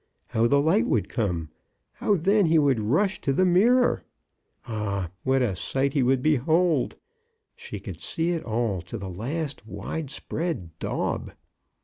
How the light 42 CHRISTMAS AT THOMPSON HALL. would come, and how then he would rush to the mirror. Ah, what a sight he would behold ! She could see it all, to the last wide spread daub.